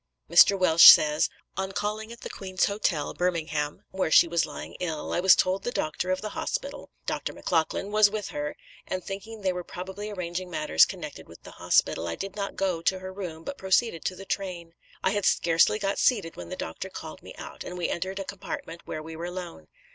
Mr. Welsh says: "On calling at the Queen's Hotel, Birmingham (where she was lying ill), I was told the doctor of the hospital (Dr. Maclachlan) was with her, and thinking they were probably arranging matters connected with the hospital, I did not go to her room, but proceeded to the train. I had scarcely got seated when the doctor called me out, and we entered a compartment where we were alone.